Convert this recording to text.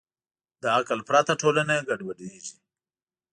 له عقل پرته ټولنه ګډوډېږي.